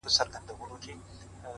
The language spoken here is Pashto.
لكه برېښنا’